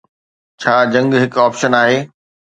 ڇا جنگ هڪ آپشن آهي؟